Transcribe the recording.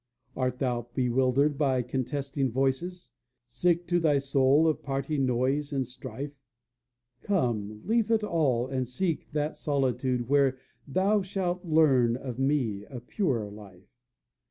"Art thou bewildered by contesting voices, Sick to thy soul of party noise and strife? Come, leave it all, and seek that solitude Where thou shalt learn of me a purer life.